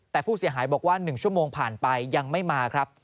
แต่ผู้เสียหายบอกว่า๑ชั่วโมงผ่านไปยังไม่มาครับ